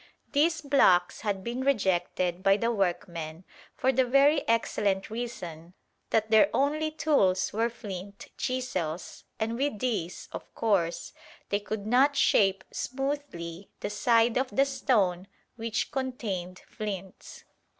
These blocks had been rejected by the workmen for the very excellent reason that their only tools were flint chisels, and with these, of course, they could not shape smoothly the side of the stone which contained flints.